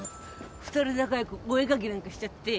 ２人仲良くお絵描きなんかしちゃって。